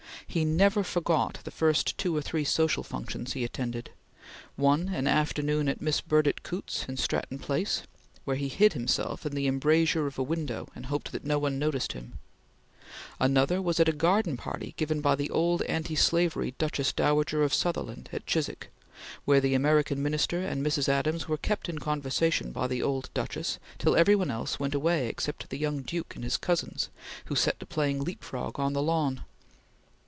He never forgot the first two or three social functions he attended: one an afternoon at Miss Burdett Coutts's in Stratton Place, where he hid himself in the embrasure of a window and hoped that no one noticed him; another was a garden party given by the old anti slavery Duchess Dowager of Sutherland at Chiswick, where the American Minister and Mrs. Adams were kept in conversation by the old Duchess till every one else went away except the young Duke and his cousins, who set to playing leap frog on the lawn.